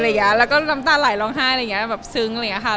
แล้วก็ล้ำตาลายล้องห้าค่ะซึ้งค่ะ